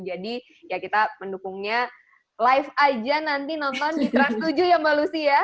jadi ya kita mendukungnya live aja nanti nonton di trans tujuh ya mba lucy ya